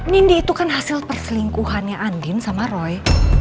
nindi itu kan hasil perselingkuhannya andin sama roy